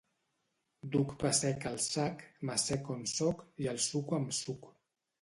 Duc pa sec al sac, m'assec on soc i el suco amb suc.